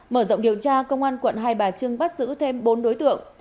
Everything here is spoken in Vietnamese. mở rộng điều tra công an quận hai bà trưng bắt giữ thêm bốn đối tượng